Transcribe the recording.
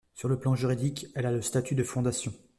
Sur le plan juridique, elle a le statut de fondation.